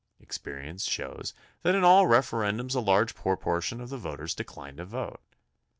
Experience shows that in all referen dums a large proportion of the voters decline to vote.